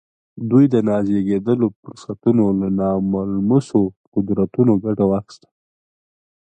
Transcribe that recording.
دوی د نازېږېدلو فرصتونو له ناملموسو قدرتونو ګټه واخيسته.